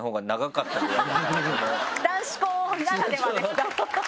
男子校ならではですか。